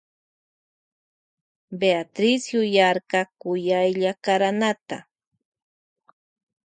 Beatriz yuyarka kuyaylla karanata.